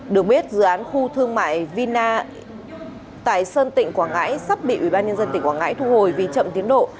được biết dự án khu thương mại vina tại sơn tịnh quảng ngãi sắp bị ubnd tỉnh quảng ngãi thu hồi vì chậm tiến độ